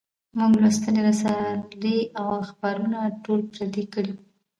مونږ لوستي رسالې او اخبارونه ټول پردي دي